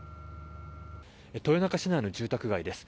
豊中市内の住宅街です。